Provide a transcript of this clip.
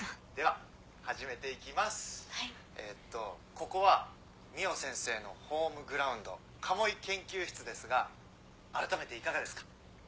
ここは海音先生のホームグラウンド鴨居研究室ですが改めていかがですか？